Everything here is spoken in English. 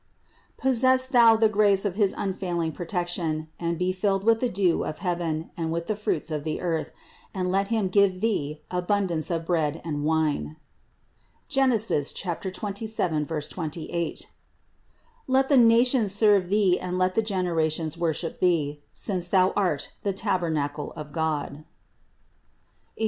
Possess thou the grace of His unfailing protection, and be filled with the dew of heaven and with the fruits of the earth, and let Him give Thee abundance of bread and wine (Gen. 27, 28) ; let the nations serve Thee and let the generations worship Thee, since Thou art the tabernacle of God (Eccl.